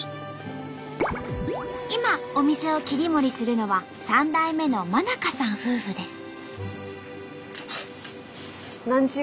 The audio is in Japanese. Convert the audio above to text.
今お店を切り盛りするのは３代目の馬中さん夫婦です。